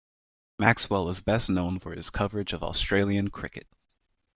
Maxwell is best known for his coverage of Australian cricket.